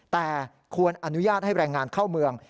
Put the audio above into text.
แต่ควรอนุญาตให้แรงงานเข้าเมือง